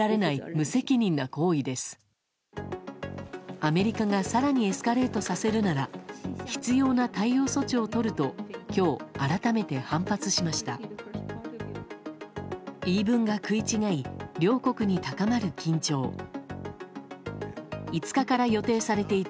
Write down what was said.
アメリカが更にエスカレートさせるなら必要な対応措置をとると今日、改めて反発しました。